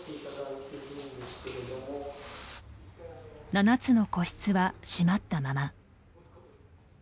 ７つの個室は閉まったまま。